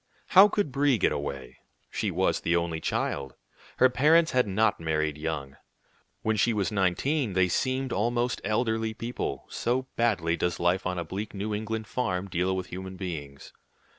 How could Brie get away? She was the only child. Her parents had not married young. When she was nineteen, they seemed almost elderly people, so badly does life on a bleak New England farm deal with human beings.